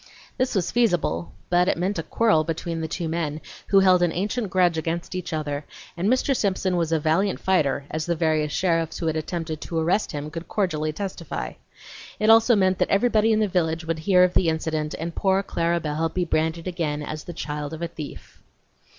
This was feasible, but it meant a quarrel between the two men, who held an ancient grudge against each other, and Mr. Simpson was a valiant fighter as the various sheriffs who had attempted to arrest him could cordially testify. It also meant that everybody in the village would hear of the incident and poor Clara Belle be branded again as the child of a thief.